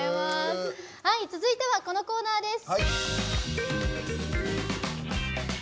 続いては、このコーナーです。